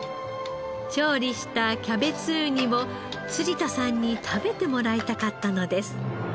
調理したキャベツウニを辻田さんに食べてもらいたかったのです。